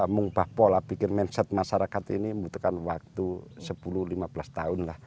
mengubah pola bikin mindset masyarakat ini membutuhkan waktu sepuluh lima belas tahun lah